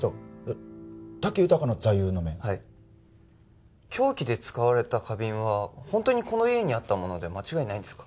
武豊武豊の座右の銘はい凶器で使われた花瓶はホントにこの家にあったもので間違いないんですか？